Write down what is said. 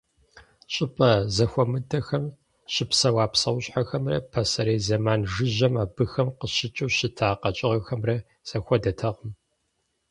Щӏыпӏэ зэхуэмыдэхэм щыпсэуа псэущхьэхэмрэ пасэрей зэман жыжьэм абыхэм къыщыкӏыу щыта къэкӏыгъэхэмрэ зэхуэдэтэкъым.